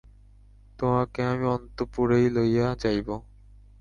তোমাকে আমি অন্তঃপুরেই লইয়া যাইব।